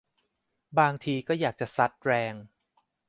บางทีก็อยากจะซัดแรง